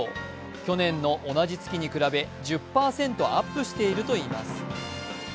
去年の同じ月に比べ１０％アップしているといいます。